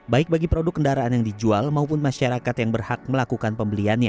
baik bagi produk kendaraan yang dijual maupun masyarakat yang berhak melakukan pembeliannya